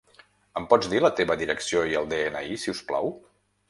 Em pots dir la teva direcció i el de-ena-i, si us plau?